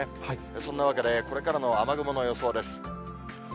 そんなわけでこれからの雨雲の予想です。